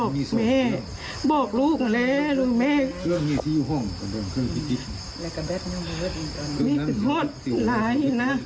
ก็วอนกันเลยลูกภูอวรจิงจากสิทธิ์ทางราย